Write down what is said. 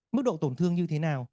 mức độ tổn thương như thế nào